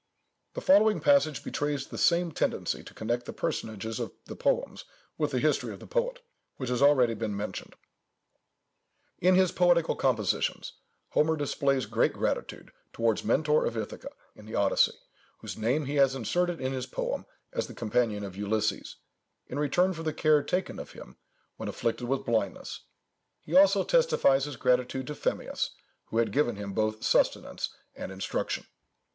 The following passage betrays the same tendency to connect the personages of the poems with the history of the poet, which has already been mentioned:— "In his poetical compositions Homer displays great gratitude towards Mentor of Ithaca, in the Odyssey, whose name he has inserted in his poem as the companion of Ulysses, in return for the care taken of him when afflicted with blindness. He also testifies his gratitude to Phemius, who had given him both sustenance and instruction."